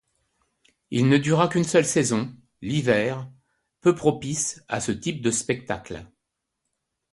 Il ne dura qu'une seule saison, l'hiver, peu propice à ce type de spectacle.